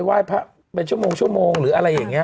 ว่าออกไปว่ายชั่วโมงหรืออะไรอย่างนี้